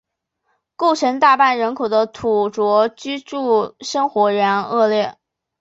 构成大半人口的土着居住生活仍然恶劣。